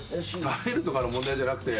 食べるとかの問題じゃなくて。